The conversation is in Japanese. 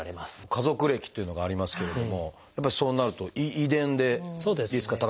家族歴っていうのがありますけれどもやっぱりそうなると遺伝でリスクが高くなる？